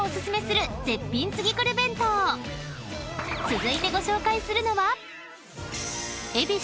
［続いてご紹介するのは？］